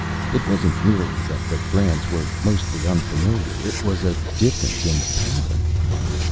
It wasn't merely that the brands were mostly unfamiliar; it was a difference in pattern.